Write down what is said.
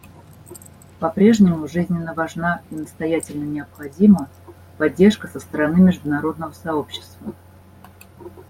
По-прежнему жизненно важна и настоятельно необходима поддержка со стороны международного сообщества.